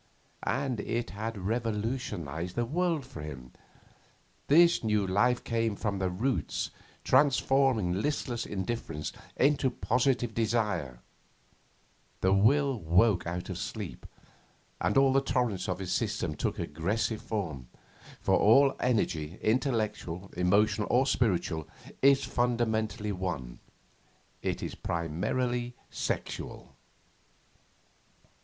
And it had revolutionised the world for him. This new life came from the roots, transforming listless indifference into positive desire; the will woke out of sleep, and all the currents of his system took aggressive form. For all energy, intellectual, emotional, or spiritual, is fundamentally one: it is primarily sexual.